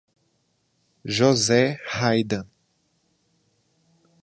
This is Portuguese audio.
José Raydan